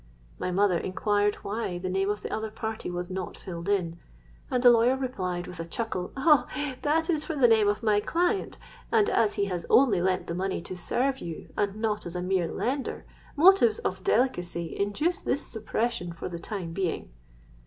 My mother inquired why the name of the other party was not filled in; and the lawyer replied, with a chuckle, 'Oh! that is for the name of my client; and as he has only lent the money to serve you, and not as a mere lender, motives of delicacy induce this suppression for the time being.'